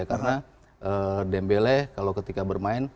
karena dembele ketika bermain